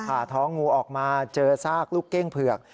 ผ่าท้องงูออกมาเจอซากลูกเก้งเผือก